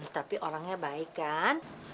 tapi orangnya baik kan